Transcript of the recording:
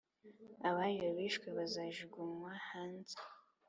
Abayo bishwe bazajugunywa hanze